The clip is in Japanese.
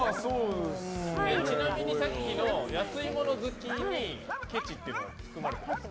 ちなみにさっきの安いもの好きにケチっていうのは含まれてます。